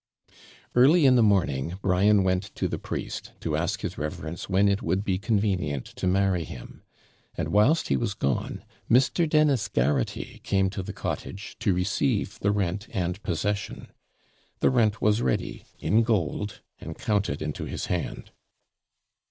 Early in the morning Brian went to the priest, to ask his reverence when it would be convenient to marry him; and, whilst he was gone, Mr. Dennis Garraghty came to the cottage, to receive the rent and possession. The rent was ready, in gold, and counted into his hand.